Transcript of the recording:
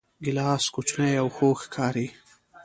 ګیلاس کوچنی او خوږ ښکاري.